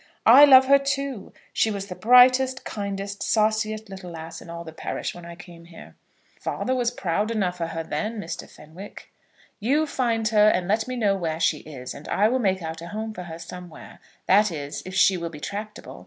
I love her too. She was the brightest, kindest, sauciest little lass in all the parish, when I came here." "Father was proud enough of her then, Mr. Fenwick." "You find her and let me know where she is, and I will make out a home for her somewhere; that is, if she will be tractable.